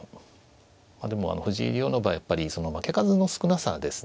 まあでも藤井竜王の場合やっぱりその負け数の少なさですね。